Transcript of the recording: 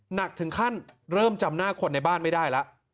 หนักถึงขั้นเริ่มจำหน้าคนในบ้านไม่ได้แล้ว